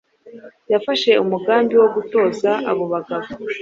Yafashe umugambi wo gutoza abo bagabo